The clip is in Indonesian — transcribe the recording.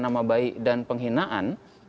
nama baik dan penghinaan